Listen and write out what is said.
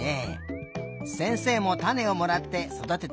せんせいもたねをもらってそだててみようかな。